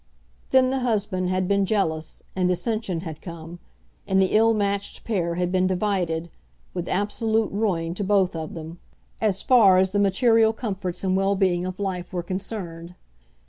Then the husband had been jealous, and dissension had come, and the ill matched pair had been divided, with absolute ruin to both of them, as far as the material comforts and well being of life were concerned.